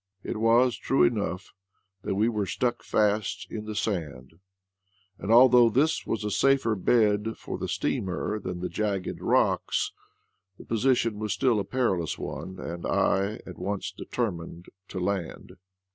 It was true enough that we were stuck fast in the sand; and although this was a safer bed for the steamer than the jagged rocks, the position was still a perilous one, and I at once determined to land.